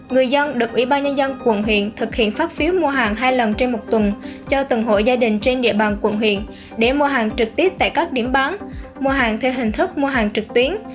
người dân được ủy ban nhân dân quận huyện thực hiện phát phiếu mua hàng hai lần trên một tuần cho từng hội gia đình trên địa bàn quận huyện để mua hàng trực tiếp tại các điểm bán mua hàng theo hình thức mua hàng trực tuyến